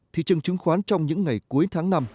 thị trường chứng khoán trong những ngày cuối tháng năm